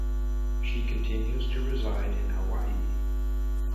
She continues to reside in Hawaii.